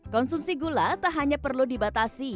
konsumsi gula tak hanya perlu dibatasi